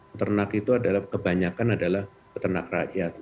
peternak itu adalah kebanyakan adalah peternak rakyat